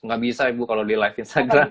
nggak bisa ibu kalau di live instagram